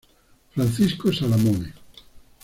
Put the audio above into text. Francisco Salamone.